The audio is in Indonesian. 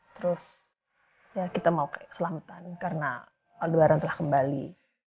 terus ya kita mau selamatan karena aldoaran telah kembali